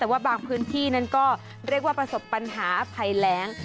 แต่ว่าบางพื้นที่นั้นก็เรียกว่าประสบปัญหาภัยแรง